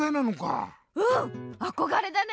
うんあこがれだね！